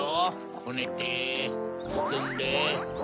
こねてつつんで。